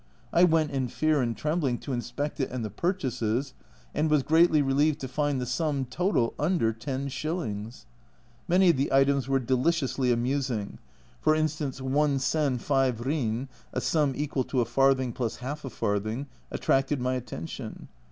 I went in fear and trembling to inspect it and the purchases, and was greatly relieved to find the sum total under ten shillings. Many of the items were deliciously amusing ; for instance, i sen 5 rin (a sum equal to a farthing plus half a farthing) attracted my attention.